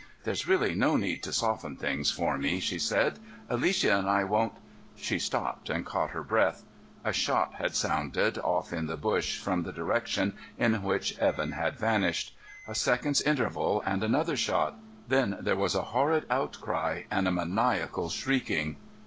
"There's really no need to soften things for me," she said, "Alicia and I won't " She stopped and caught her breath. A shot had sounded, off in the bush from the direction in which Evan had vanished. A second's interval, and another shot. Then there was a horrid outcry, and a maniacal shrieking.